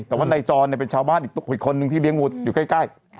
แต่ว่าในจรเนี่ยเป็นชาวบ้านอีกคนหนึ่งที่เลี้ยงวุฒิอยู่ใกล้